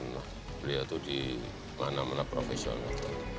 enggak pak beliau itu di mana mana profesional